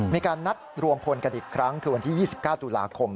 มีการนัดรวมพลกันอีกครั้งคือวันที่๒๙ตุลาคม